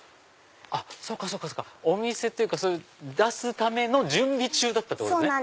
そっかそっかお店っていうか出すための準備中だったんですね。